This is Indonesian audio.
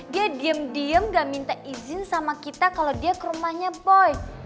dia diem diem gak minta izin sama kita kalau dia ke rumahnya boy